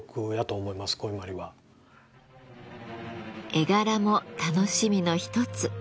絵柄も楽しみの一つ。